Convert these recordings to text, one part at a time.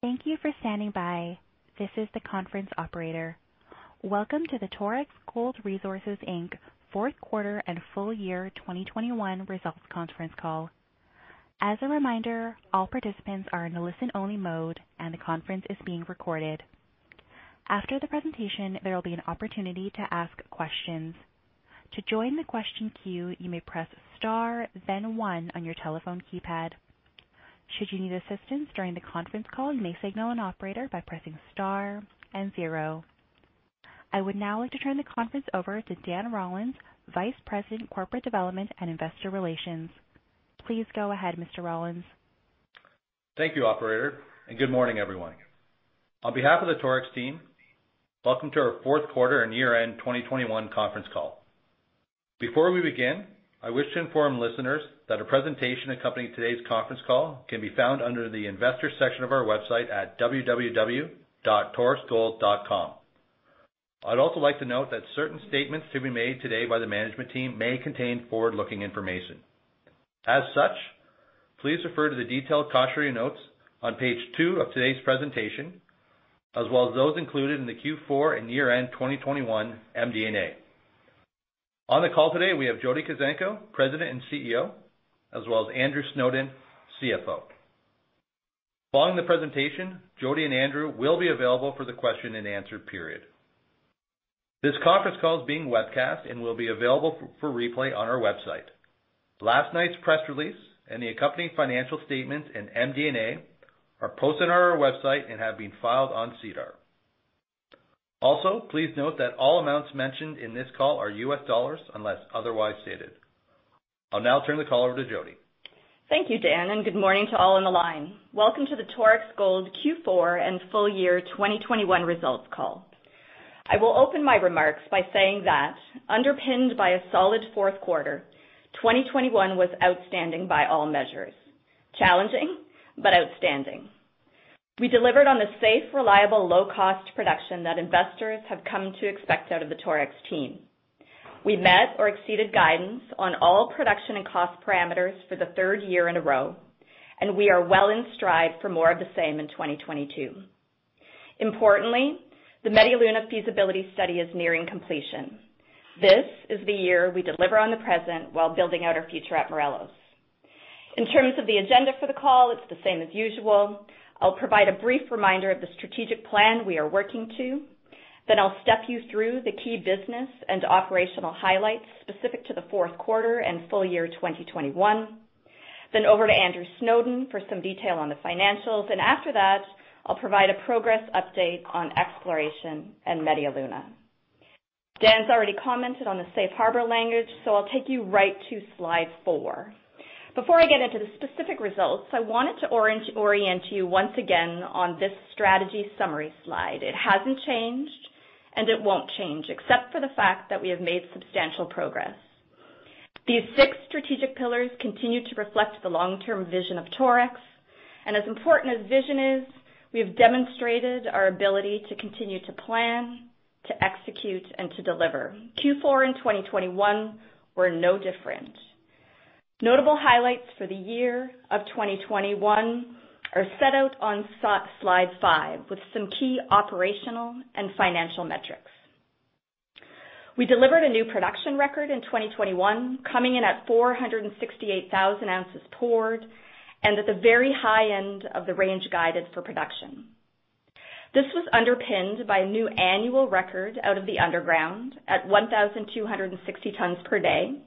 Thank you for standing by. This is the conference operator. Welcome to the Torex Gold Resources Inc. Fourth Quarter and Full Year 2021 Results Conference Call. As a reminder, all participants are in a listen-only mode, and the conference is being recorded. After the presentation, there will be an opportunity to ask questions. To join the question queue, you may press star then one on your telephone keypad. Should you need assistance during the conference call, you may signal an operator by pressing star and zero. I would now like to turn the conference over to Dan Rollins, Vice President, Corporate Development and Investor Relations. Please go ahead, Mr. Rollins. Thank you, operator, and good morning, everyone. On behalf of the Torex team, welcome to our fourth quarter and year-end 2021 conference call. Before we begin, I wish to inform listeners that a presentation accompanying today's conference call can be found under the investor section of our website at www.torexgold.com. I'd also like to note that certain statements to be made today by the management team may contain forward-looking information. As such, please refer to the detailed cautionary notes on page two of today's presentation, as well as those included in the Q4 and year-end 2021 MD&A. On the call today, we have Jody Kuzenko, President and CEO, as well as Andrew Snowden, CFO. Following the presentation, Jody and Andrew will be available for the question-and-answer period. This conference call is being webcast and will be available for replay on our website. Last night's press release and the accompanying financial statement in MD&A are posted on our website and have been filed on SEDAR. Also, please note that all amounts mentioned in this call are U.S. dollars unless otherwise stated. I'll now turn the call over to Jody. Thank you, Dan, and good morning to all on the line. Welcome to the Torex Gold Q4 and full year 2021 results call. I will open my remarks by saying that underpinned by a solid fourth quarter, 2021 was outstanding by all measures. Challenging but outstanding. We delivered on the safe, reliable, low-cost production that investors have come to expect out of the Torex team. We met or exceeded guidance on all production and cost parameters for the third year in a row, and we are well in stride for more of the same in 2022. Importantly, the Media Luna feasibility study is nearing completion. This is the year we deliver on the present while building out our future at Morelos. In terms of the agenda for the call, it's the same as usual. I'll provide a brief reminder of the strategic plan we are working to. I'll step you through the key business and operational highlights specific to the fourth quarter and full year 2021. Over to Andrew Snowden for some detail on the financials, and after that, I'll provide a progress update on exploration and Media Luna. Dan's already commented on the safe harbor language, so I'll take you right to slide four. Before I get into the specific results, I wanted to orient you once again on this strategy summary slide. It hasn't changed, and it won't change, except for the fact that we have made substantial progress. These six strategic pillars continue to reflect the long-term vision of Torex, and as important as vision is, we have demonstrated our ability to continue to plan, to execute and to deliver. Q4 in 2021 were no different. Notable highlights for the year of 2021 are set out on slide five, with some key operational and financial metrics. We delivered a new production record in 2021, coming in at 468,000 ounces poured and at the very high end of the range guided for production. This was underpinned by a new annual record out of the underground at 1,260 tons per day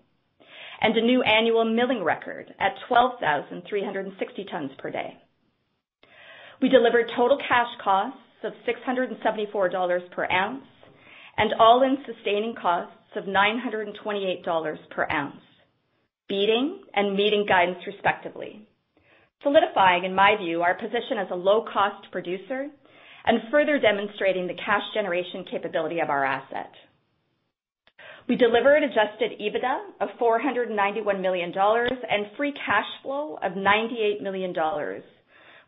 and a new annual milling record at 12,360 tons per day. We delivered total cash costs of $674 per ounce and all-in sustaining costs of $928 per ounce, beating and meeting guidance respectively, solidifying, in my view, our position as a low-cost producer and further demonstrating the cash generation capability of our asset. We delivered adjusted EBITDA of $491 million and free cash flow of $98 million,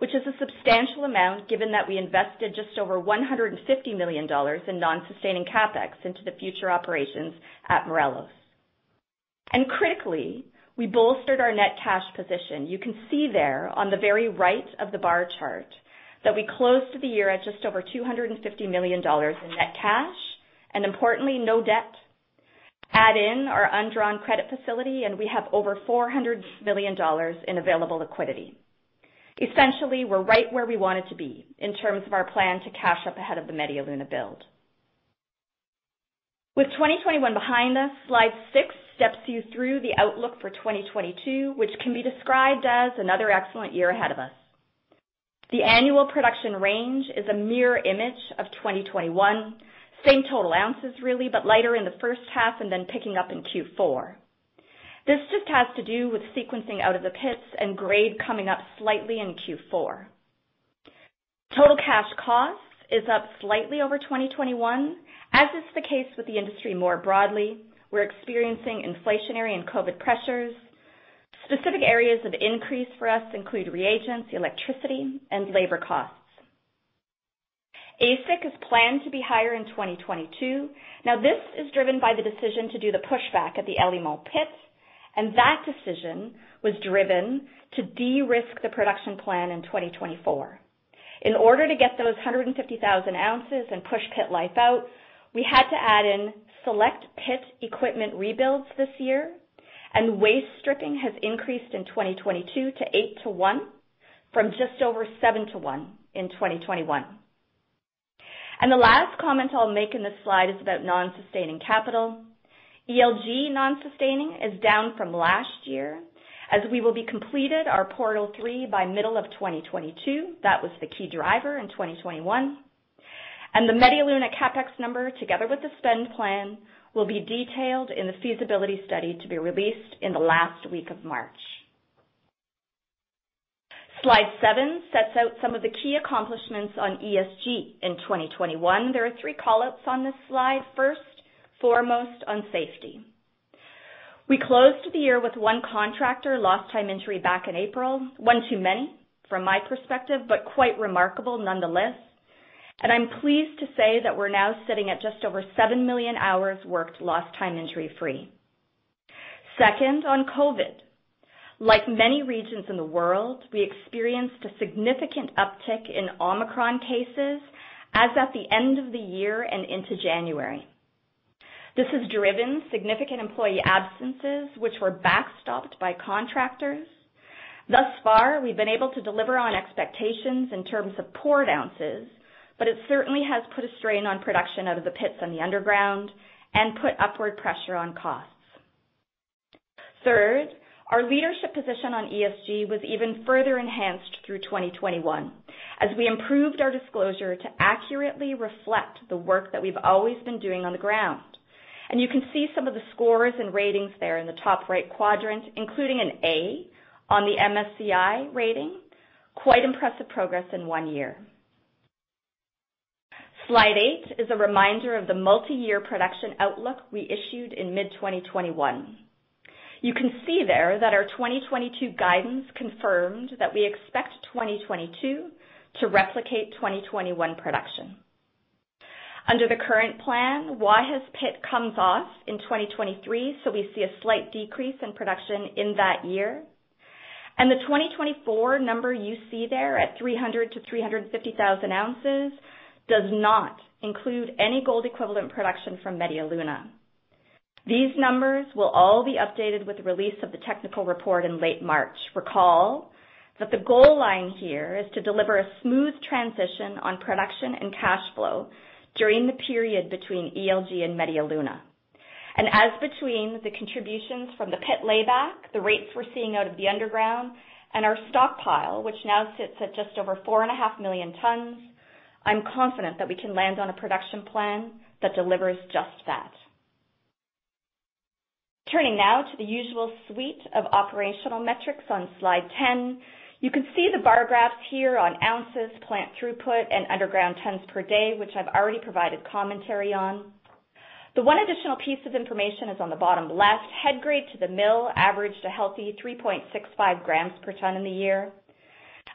which is a substantial amount given that we invested just over $150 million in non-sustaining CapEx into the future operations at Morelos. Critically, we bolstered our net cash position. You can see there on the very right of the bar chart that we closed the year at just over $250 million in net cash, and importantly, no debt. Add in our undrawn credit facility, and we have over $400 million in available liquidity. Essentially, we're right where we wanted to be in terms of our plan to cash up ahead of the Media Luna build. With 2021 behind us, slide six steps you through the outlook for 2022, which can be described as another excellent year ahead of us. The annual production range is a mirror image of 2021. Same total ounces really, but lighter in the first half and then picking up in Q4. This just has to do with sequencing out of the pits and grade coming up slightly in Q4. Total cash cost is up slightly over 2021. As is the case with the industry more broadly, we're experiencing inflationary and COVID pressures. Specific areas of increase for us include reagents, electricity, and labor costs. AISC is planned to be higher in 2022. Now, this is driven by the decision to do the pushback at the El Limón pit, and that decision was driven to de-risk the production plan in 2024. In order to get those 150,000 ounces and push pit life out, we had to add in select pit equipment rebuilds this year, and waste stripping has increased in 2022 to eigth to one from just over seven to one in 2021. The last comment I'll make in this slide is about non-sustaining capital. ELG non-sustaining is down from last year as we will be completed our Portal 3 by middle of 2022. That was the key driver in 2021. The Media Luna CapEx number, together with the spend plan, will be detailed in the feasibility study to be released in the last week of March. Slide seven sets out some of the key accomplishments on ESG in 2021. There are one call-outs on this slide. First, foremost on safety. We closed the year with one contractor lost time injury back in April, one too many from my perspective, but quite remarkable nonetheless. I'm pleased to say that we're now sitting at just over seven million hours worked lost time injury-free. Second, on COVID. Like many regions in the world, we experienced a significant uptick in Omicron cases as at the end of the year and into January. This has driven significant employee absences, which were backstopped by contractors. Thus far, we've been able to deliver on expectations in terms of poured ounces, but it certainly has put a strain on production out of the pits on the underground and put upward pressure on costs. Third, our leadership position on ESG was even further enhanced through 2021 as we improved our disclosure to accurately reflect the work that we've always been doing on the ground. You can see some of the scores and ratings there in the top right quadrant, including an A on the MSCI rating. Quite impressive progress in one year. Slide eight is a reminder of the multi-year production outlook we issued in mid-2021. You can see there that our 2022 guidance confirmed that we expect 2022 to replicate 2021 production. Under the current plan, ELG's pit comes off in 2023, so we see a slight decrease in production in that year. The 2024 number you see there at 300 to 350,000 ounces does not include any gold equivalent production from Media Luna. These numbers will all be updated with the release of the technical report in late March. Recall that the goal line here is to deliver a smooth transition on production and cash flow during the period between ELG and Media Luna. As between the contributions from the pit layback, the rates we're seeing out of the underground, and our stockpile, which now sits at just over 4.5 million tons, I'm confident that we can land on a production plan that delivers just that. Turning now to the usual suite of operational metrics on slide 10, you can see the bar graphs here on ounces, plant throughput, and underground tons per day, which I've already provided commentary on. The one additional piece of information is on the bottom left, head grade to the mill averaged a healthy 3.65 grams per ton in the year.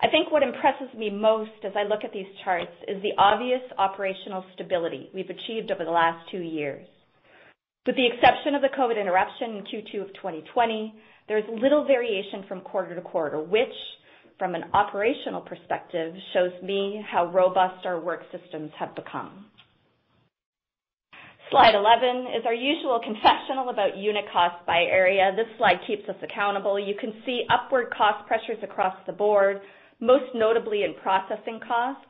I think what impresses me most as I look at these charts is the obvious operational stability we've achieved over the last two years. With the exception of the COVID interruption in Q2 of 2020, there is little variation from quarter to quarter, which from an operational perspective, shows me how robust our work systems have become. Slide 11 is our usual confessional about unit cost by area. This slide keeps us accountable. You can see upward cost pressures across the board, most notably in processing costs,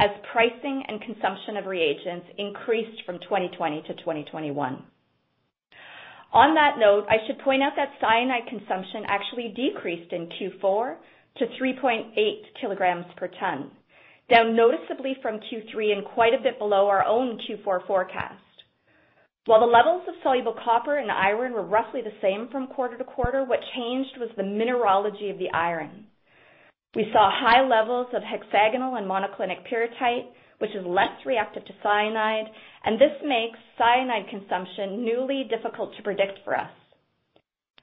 as pricing and consumption of reagents increased from 2020 to 2021. On that note, I should point out that cyanide consumption actually decreased in Q4 to 3.8 kilograms per ton, down noticeably from Q3 and quite a bit below our own Q4 forecast. While the levels of soluble copper and iron were roughly the same from quarter to quarter, what changed was the mineralogy of the iron. We saw high levels of hexagonal and monoclinic pyrrhotite, which is less reactive to cyanide, and this makes cyanide consumption newly difficult to predict for us.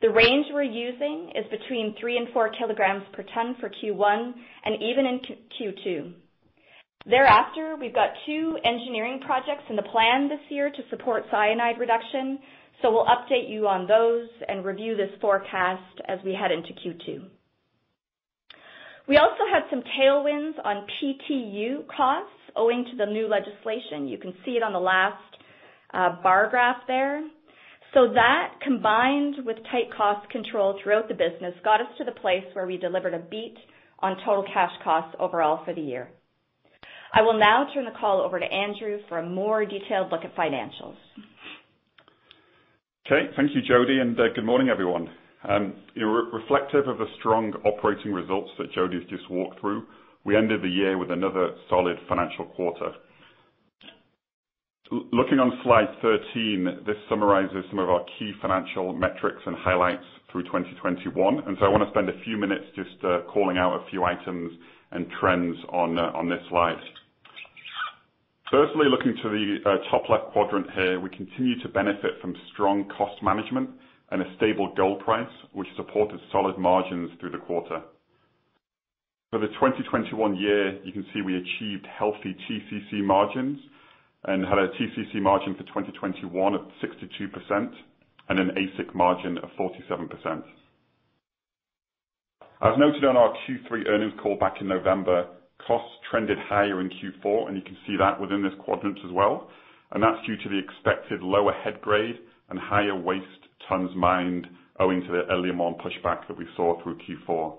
The range we're using is between three and four kilograms per ton for Q1 and even in Q2. Thereafter, we've got two engineering projects in the plan this year to support cyanide reduction, so we'll update you on those and review this forecast as we head into Q2. We also had some tailwinds on PTU costs owing to the new legislation. You can see it on the last bar graph there. That combined with tight cost control throughout the business got us to the place where we delivered a beat on total cash costs overall for the year. I will now turn the call over to Andrew for a more detailed look at financials. Okay. Thank you, Jody, and good morning, everyone. You know, reflective of the strong operating results that Jody's just walked through, we ended the year with another solid financial quarter. Looking on slide 13, this summarizes some of our key financial metrics and highlights through 2021. I wanna spend a few minutes just calling out a few items and trends on this slide. Firstly, looking to the top left quadrant here, we continue to benefit from strong cost management and a stable gold price, which supported solid margins through the quarter. For the 2021 year, you can see we achieved healthy TCC margins and had a TCC margin for 2021 at 62% and an AISC margin of 47%. As noted on our Q3 earnings call back in November, costs trended higher in Q4, and you can see that within this quadrant as well, and that's due to the expected lower head grade and higher waste tons mined owing to the El Limón pushback that we saw through Q4.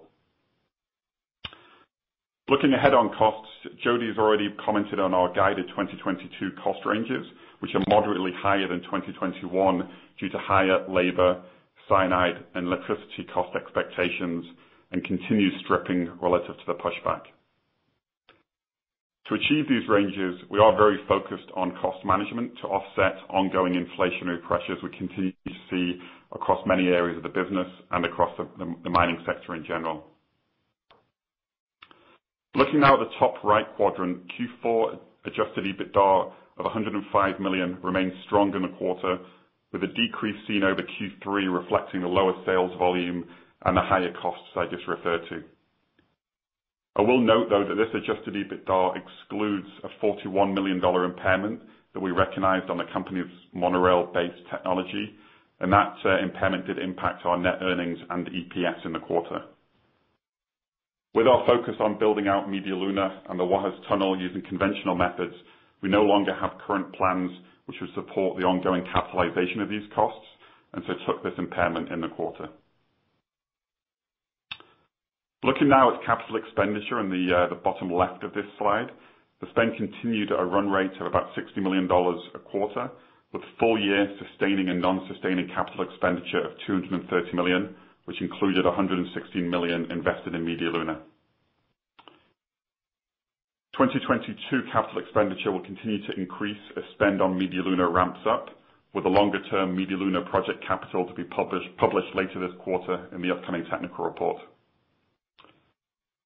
Looking ahead on costs, Jody has already commented on our guided 2022 cost ranges, which are moderately higher than 2021 due to higher labor, cyanide, and electricity cost expectations and continued stripping relative to the pushback. To achieve these ranges, we are very focused on cost management to offset ongoing inflationary pressures we continue to see across many areas of the business and across the mining sector in general. Looking now at the top right quadrant, Q4 adjusted EBITDA of $105 million remains strong in the quarter, with a decrease seen over Q3 reflecting the lower sales volume and the higher costs I just referred to. I will note though that this adjusted EBITDA excludes a $41 million impairment that we recognized on the company's monorail-based technology, and that impairment did impact our net earnings and EPS in the quarter. With our focus on building out Media Luna and the Guajes Tunnel using conventional methods, we no longer have current plans which would support the ongoing capitalization of these costs and so took this impairment in the quarter. Looking now at capital expenditure in the bottom left of this slide, the spend continued at a run rate of about $60 million a quarter, with full year sustaining and non-sustaining capital expenditure of $230 million, which included $160 million invested in Media Luna. 2022 capital expenditure will continue to increase as spend on Media Luna ramps up, with the longer-term Media Luna project capital to be published later this quarter in the upcoming technical report.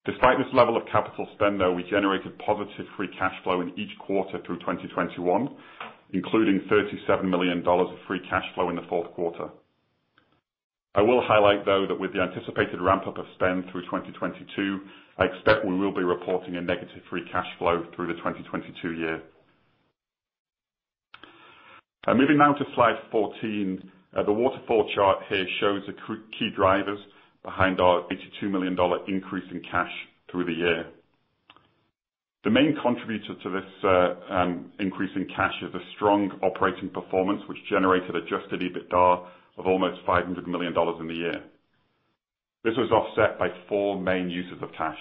Despite this level of capital spend, though, we generated positive free cash flow in each quarter through 2021, including $37 million of free cash flow in the fourth quarter. I will highlight, though, that with the anticipated ramp-up of spend through 2022, I expect we will be reporting a negative free cash flow through the 2022 year. Moving now to slide 14, the waterfall chart here shows the key drivers behind our $82 million increase in cash through the year. The main contributor to this, increase in cash is a strong operating performance, which generated adjusted EBITDA of almost $500 million in the year. This was offset by four main uses of cash.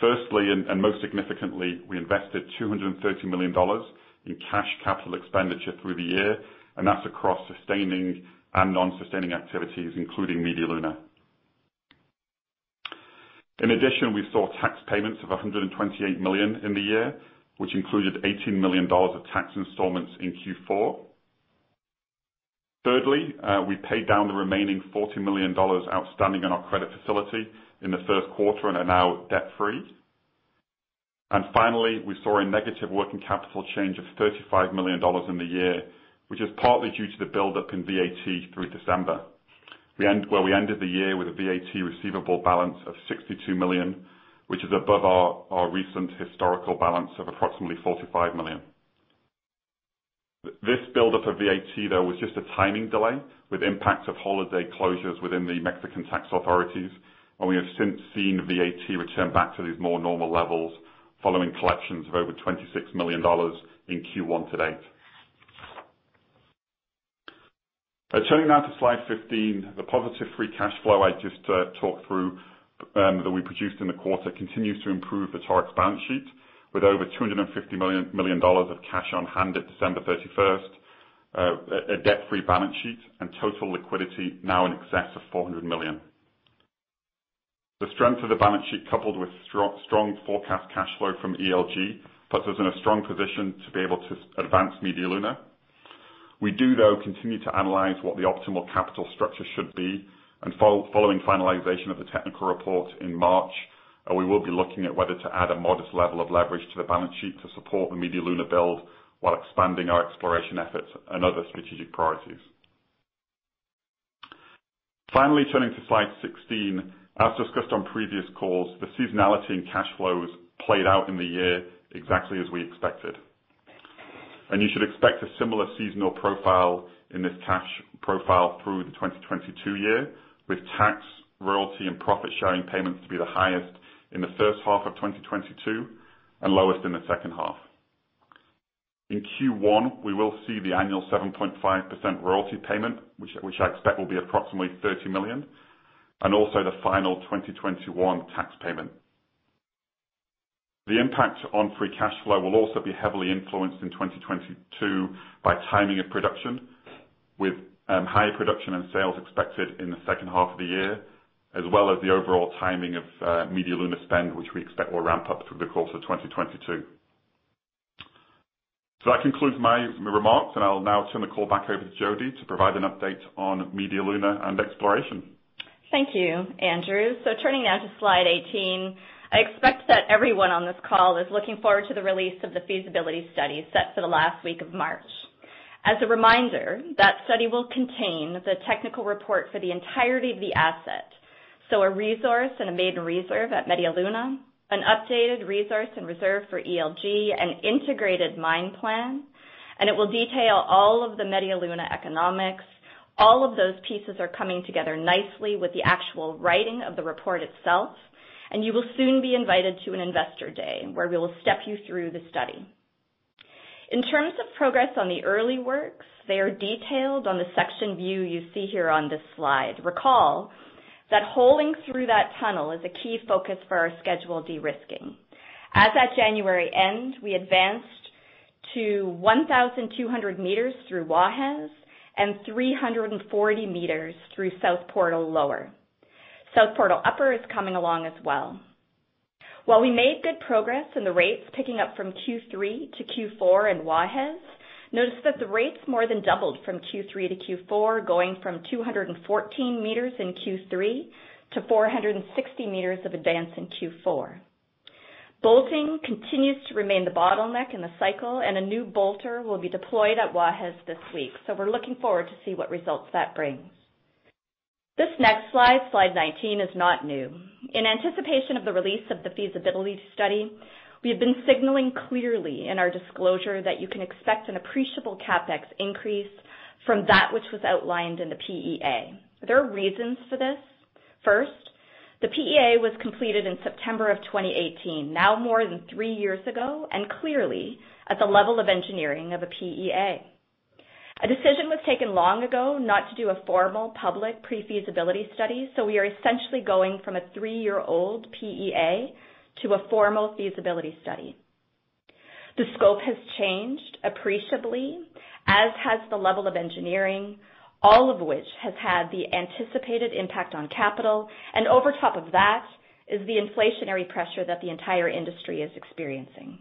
Firstly, and most significantly, we invested $230 million in cash capital expenditure through the year, and that's across sustaining and non-sustaining activities, including Media Luna. In addition, we saw tax payments of $128 million in the year, which included $18 million of tax installments in Q4. Thirdly, we paid down the remaining $40 million outstanding on our credit facility in the first quarter and are now debt-free. Finally, we saw a negative working capital change of $35 million in the year, which is partly due to the buildup in VAT through December. We ended the year with a VAT receivable balance of $62 million, which is above our recent historical balance of approximately $45 million. This buildup of VAT, though, was just a timing delay with impacts of holiday closures within the Mexican tax authorities, and we have since seen VAT return back to these more normal levels following collections of over $26 million in Q1 to date. Turning now to slide 15, the positive free cash flow I just talked through that we produced in the quarter continues to improve the Torex balance sheet with over $250 million of cash on hand at December 31, a debt-free balance sheet, and total liquidity now in excess of $400 million. The strength of the balance sheet, coupled with strong forecast cash flow from ELG, puts us in a strong position to be able to advance Media Luna. We do, though, continue to analyze what the optimal capital structure should be and following finalization of the technical report in March, we will be looking at whether to add a modest level of leverage to the balance sheet to support the Media Luna build while expanding our exploration efforts and other strategic priorities. Finally, turning to slide 16. As discussed on previous calls, the seasonality in cash flows played out in the year exactly as we expected. You should expect a similar seasonal profile in this cash profile through the 2022 year, with tax, royalty, and profit-sharing payments to be the highest in the first half of 2022 and lowest in the second half. In Q1, we will see the annual 7.5% royalty payment, which I expect will be approximately $30 million, and also the final 2021 tax payment. The impact on free cash flow will also be heavily influenced in 2022 by timing of production with high production and sales expected in the second half of the year, as well as the overall timing of Media Luna spend, which we expect will ramp up through the course of 2022. That concludes my remarks, and I'll now turn the call back over to Jody to provide an update on Media Luna and exploration. Thank you, Andrew. Turning now to slide 18, I expect that everyone on this call is looking forward to the release of the feasibility study set for the last week of March. As a reminder, that study will contain the technical report for the entirety of the asset. A resource and a maiden reserve at Media Luna, an updated resource and reserve for ELG, an integrated mine plan, and it will detail all of the Media Luna economics. All of those pieces are coming together nicely with the actual writing of the report itself, and you will soon be invited to an investor day where we will step you through the study. In terms of progress on the early works, they are detailed on the section view you see here on this slide. Recall that holing through that tunnel is a key focus for our schedule de-risking. As at January end, we advanced to 1,200 meters through Guajes and 340 meters through South Portal Lower. South Portal Upper is coming along as well. While we made good progress in the rates, picking up from Q3 to Q4 in Guajes, notice that the rates more than doubled from Q3 to Q4, going from 214 meters in Q3 to 460 meters of advance in Q4. Bolting continues to remain the bottleneck in the cycle, and a new bolter will be deployed at Guajes this week, so we're looking forward to see what results that brings. This next slide 19, is not new. In anticipation of the release of the feasibility study, we have been signaling clearly in our disclosure that you can expect an appreciable CapEx increase from that which was outlined in the PEA. There are reasons for this. First, the PEA was completed in September 2018, now more than three years ago, and clearly at the level of engineering of a PEA. A decision was taken long ago not to do a formal public pre-feasibility study, so we are essentially going from a three-year-old PEA to a formal feasibility study. The scope has changed appreciably, as has the level of engineering, all of which has had the anticipated impact on capital, and over top of that is the inflationary pressure that the entire industry is experiencing.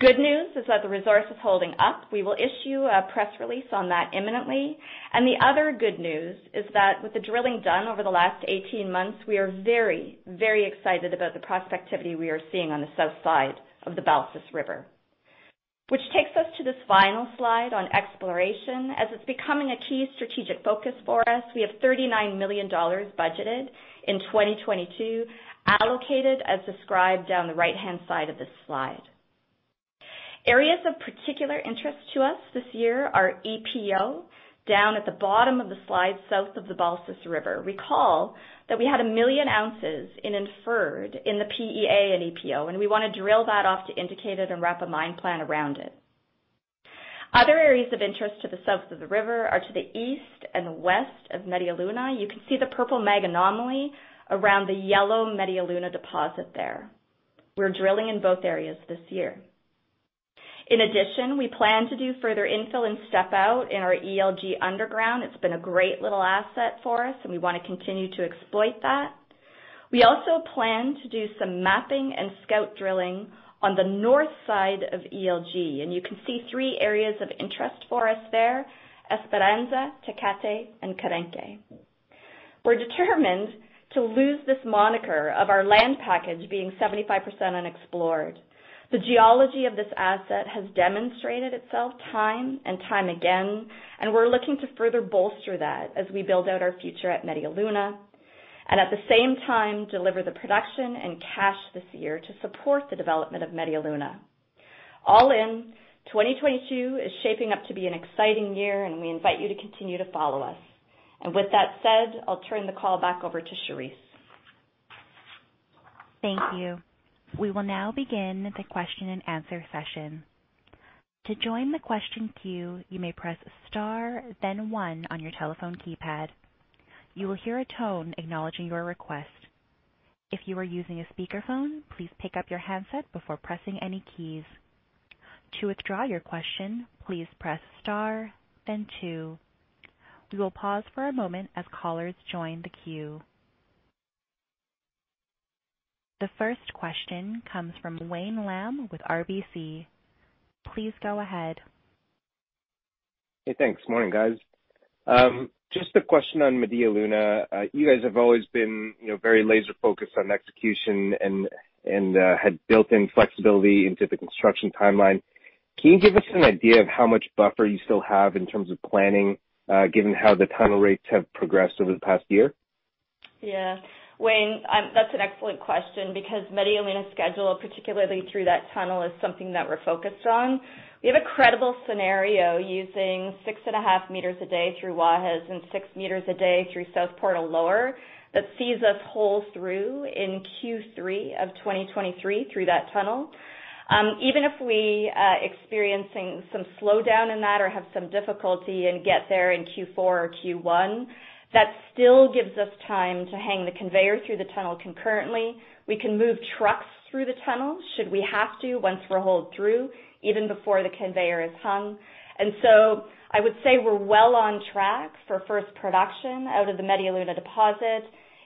Good news is that the resource is holding up. We will issue a press release on that imminently. The other good news is that with the drilling done over the last 18 months, we are very, very excited about the prospectivity we are seeing on the south side of the Balsas River, which takes us to this final slide on exploration. As it's becoming a key strategic focus for us, we have $39 million budgeted in 2022, allocated as described down the right-hand side of this slide. Areas of particular interest to us this year are EPO, down at the bottom of the slide, south of the Balsas River. Recall that we had 1 million ounces in inferred in the PEA in EPO, and we want to drill that off to indicate it and wrap a mine plan around it. Other areas of interest to the south of the river are to the east and west of Media Luna. You can see the purple mag anomaly around the yellow Media Luna deposit there. We're drilling in both areas this year. In addition, we plan to do further infill and step out in our ELG underground. It's been a great little asset for us, and we want to continue to exploit that. We also plan to do some mapping and scout drilling on the north side of ELG, and you can see three areas of interest for us there, Esperanza, Tecate, and Carente. We're determined to lose this moniker of our land package being 75% unexplored. The geology of this asset has demonstrated itself time and time again, and we're looking to further bolster that as we build out our future at Media Luna. At the same time, deliver the production and cash this year to support the development of Media Luna. All in, 2022 is shaping up to be an exciting year, and we invite you to continue to follow us. With that said, I'll turn the call back over to Charisse. Thank you. We will now begin the question-and-answer session. To join the question queue, you may press star then one on your telephone keypad. You will hear a tone acknowledging your request. If you are using a speakerphone, please pick up your handset before pressing any keys. To withdraw your question, please press star then two. We will pause for a moment as callers join the queue. The first question comes from Wayne Lam with RBC. Please go ahead. Hey, thanks. Morning, guys. Just a question on Media Luna. You guys have always been, you know, very laser-focused on execution and had built in flexibility into the construction timeline. Can you give us an idea of how much buffer you still have in terms of planning, given how the tunnel rates have progressed over the past year? Yeah. Wayne, that's an excellent question because Media Luna's schedule, particularly through that tunnel, is something that we're focused on. We have a credible scenario using 6.5 meters a day through Guajes and six meters a day through South Portal Lower that sees us hole through in Q3 of 2023 through that tunnel. Even if we experiencing some slowdown in that or have some difficulty and get there in Q4 or Q1, that still gives us time to hang the conveyor through the tunnel concurrently. We can move trucks through the tunnel should we have to, once we're holed through, even before the conveyor is hung. I would say we're well on track for first production out of the Media Luna deposit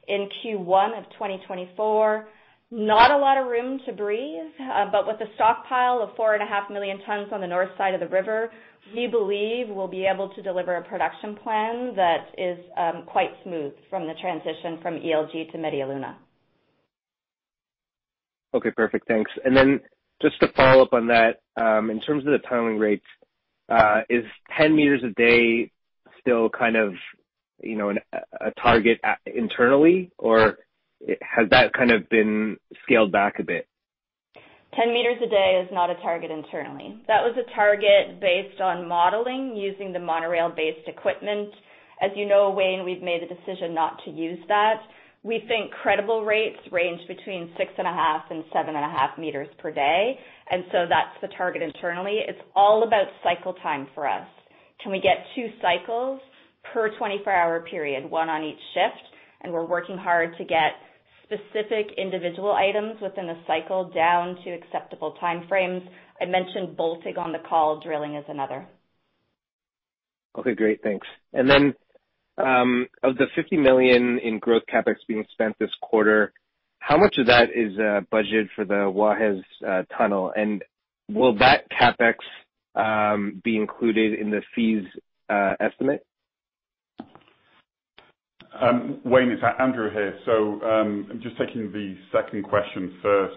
in Q1 of 2024. Not a lot of room to breathe, but with a stockpile of 4.5 million tons on the north side of the river, we believe we'll be able to deliver a production plan that is quite smooth from the transition from ELG to Media Luna. Okay, perfect, thanks. Just to follow up on that, in terms of the tunneling rates, is 10 meters a day still kind of, you know, a target internally or has that kind of been scaled back a bit? 10 meters a day is not a target internally. That was a target based on modeling using the monorail-based equipment. As you know, Wayne, we've made the decision not to use that. We think credible rates range between 6.5 and 7.5 meters per day. That's the target internally. It's all about cycle time for us. Can we get two cycles per 24-hour period, one on each shift? We're working hard to get specific individual items within a cycle down to acceptable time frames. I mentioned bolting on the call. Drilling is another. Okay, great. Thanks. Of the $50 million in growth CapEx being spent this quarter, how much of that is budget for the Guajes tunnel? Will that CapEx be included in the AISC estimate? Wayne, it's Andrew here. Just taking the second question first.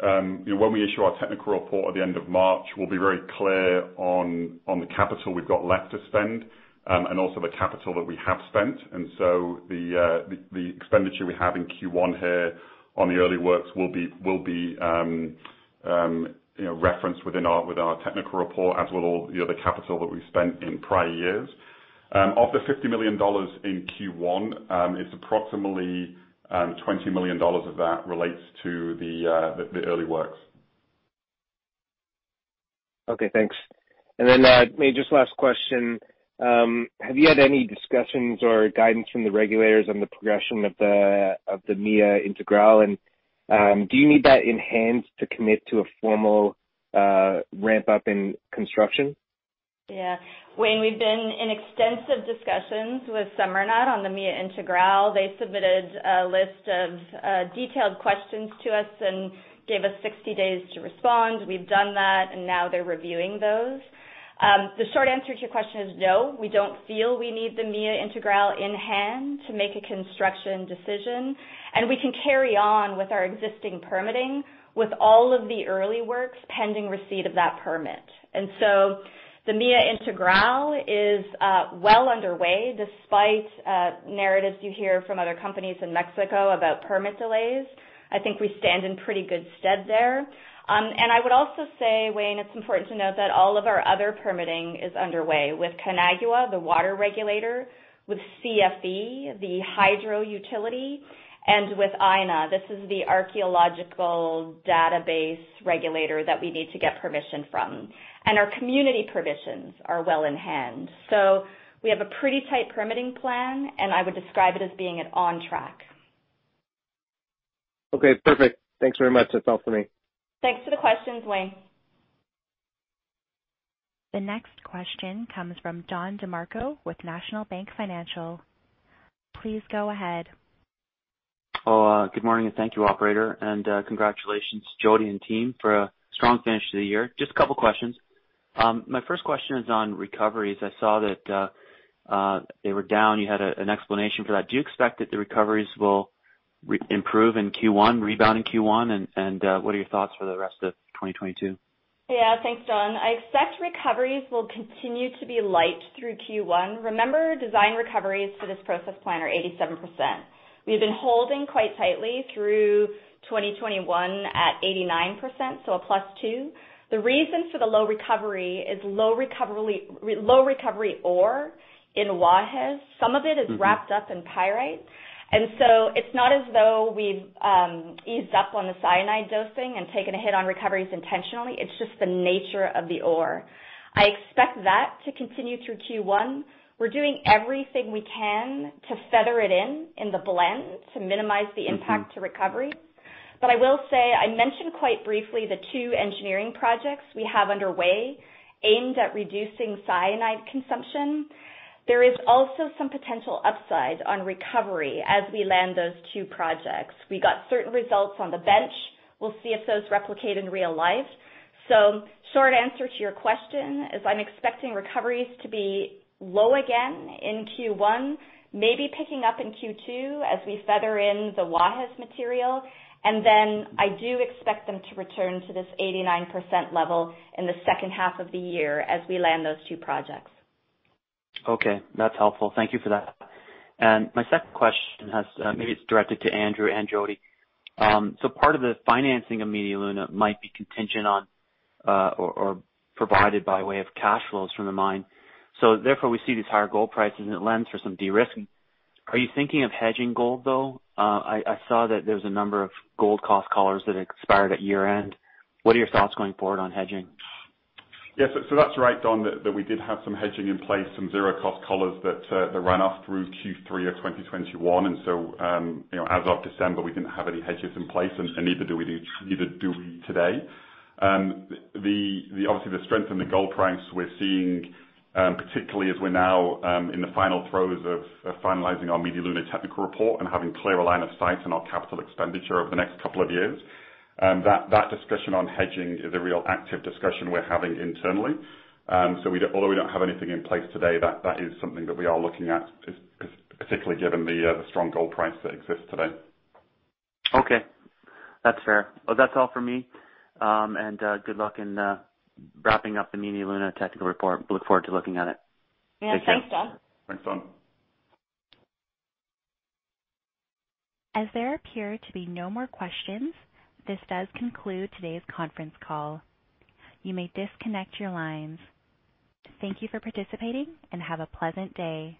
When we issue our technical report at the end of March, we'll be very clear on the capital we've got left to spend, and also the capital that we have spent. The expenditure we have in Q1 here on the early works will be, you know, referenced within our technical report, as will, you know, the capital that we spent in prior years. Of the $50 million in Q1, it's approximately $20 million of that relates to the early works. Okay, thanks. Then, maybe just last question. Have you had any discussions or guidance from the regulators on the progression of the MIA Integral? Do you need that in hand to commit to a formal, ramp-up in construction? Yeah. Wayne, we've been in extensive discussions with SEMARNAT on the MIA Integral. They submitted a list of detailed questions to us and gave us 60 days to respond. We've done that, and now they're reviewing those. The short answer to your question is no, we don't feel we need the MIA Integral in hand to make a construction decision. We can carry on with our existing permitting with all of the early works pending receipt of that permit. The MIA Integral is well underway despite narratives you hear from other companies in Mexico about permit delays. I think we stand in pretty good stead there. I would also say, Wayne, it's important to note that all of our other permitting is underway with CONAGUA, the water regulator, with CFE, the hydro utility, and with INAH. This is INAH that we need to get permission from. Our community permissions are well in hand. We have a pretty tight permitting plan, and I would describe it as being on track. Okay, perfect. Thanks very much. That's all for me. Thanks for the questions, Wayne. The next question comes from Don DeMarco with National Bank Financial. Please go ahead. Oh, good morning, and thank you, operator. Congratulations, Jody and team, for a strong finish to the year. Just a couple questions. My first question is on recoveries. I saw that they were down. You had an explanation for that. Do you expect that the recoveries will re-improve in Q1, rebound in Q1? What are your thoughts for the rest of 2022? Yeah. Thanks, Don. I expect recoveries will continue to be light through Q1. Remember, design recoveries for this processing plant are 87%. We've been holding quite tightly through 2021 at 89%, so a +2. The reason for the low recovery is low recovery ore in Guajes. Some of it is wrapped up in pyrite, and so it's not as though we've eased up on the cyanide dosing and taken a hit on recoveries intentionally. It's just the nature of the ore. I expect that to continue through Q1. We're doing everything we can to feather it in the blend to minimize the impact to recovery. I will say, I mentioned quite briefly the two engineering projects we have underway aimed at reducing cyanide consumption. There is also some potential upside on recovery as we land those two projects. We got certain results on the bench. We'll see if those replicate in real life. Short answer to your question is I'm expecting recoveries to be low again in Q1, maybe picking up in Q2 as we feather in the Guajes material. I do expect them to return to this 89% level in the second half of the year as we land those two projects. Okay, that's helpful. Thank you for that. My second question has maybe it's directed to Andrew and Jody. So part of the financing of Media Luna might be contingent on or provided by way of cash flows from the mine. Therefore, we see these higher gold prices, and it lends for some de-risking. Are you thinking of hedging gold, though? I saw that there was a number of gold cost collars that expired at year-end. What are your thoughts going forward on hedging? Yes. That's right, Don, that we did have some hedging in place, some zero cost collars that ran off through Q3 of 2021. You know, as of December, we didn't have any hedges in place, and neither do we today. Obviously, the strength in the gold price we're seeing, particularly as we're now in the final throes of finalizing our Media Luna technical report and having clear line of sight on our capital expenditure over the next couple of years, that discussion on hedging is a real active discussion we're having internally. Although we don't have anything in place today, that is something that we are looking at, especially particularly given the strong gold price that exists today. Okay. That's fair. Well, that's all for me. Good luck in wrapping up the Media Luna technical report. We look forward to looking at it. Yeah. Thanks, Don. Thanks, Don. As there appear to be no more questions, this does conclude today's conference call. You may disconnect your lines. Thank you for participating, and have a pleasant day.